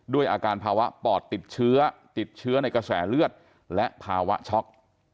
ด้วยอาการภาวะปอดติดเชื้อติดเชื้อในกระแสเลือดและภาวะช็อก